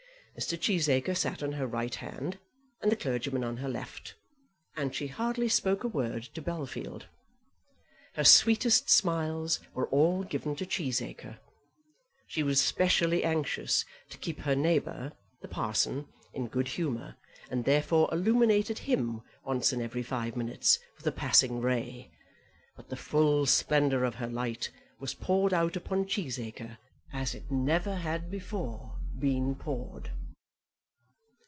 Mr. Cheesacre sat on her right hand, and the clergyman on her left, and she hardly spoke a word to Bellfield. Her sweetest smiles were all given to Cheesacre. She was specially anxious to keep her neighbour, the parson, in good humour, and therefore illuminated him once in every five minutes with a passing ray, but the full splendour of her light was poured out upon Cheesacre, as it never had before been poured.